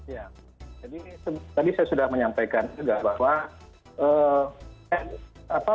ya jadi tadi saya sudah menyampaikan juga bahwa